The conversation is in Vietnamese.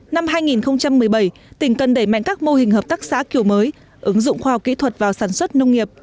năm hai nghìn một mươi bảy tỉnh cần đẩy mạnh các mô hình hợp tác xã kiểu mới ứng dụng khoa học kỹ thuật vào sản xuất nông nghiệp